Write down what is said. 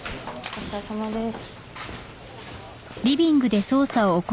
お疲れさまです。